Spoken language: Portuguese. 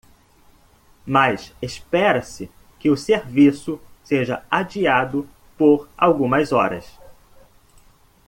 Mas espera-se que o serviço seja adiado por algumas horas.